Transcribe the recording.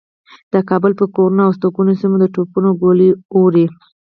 د کابل پر کورونو او هستوګنو سیمو د توپونو ګولۍ و اوروي.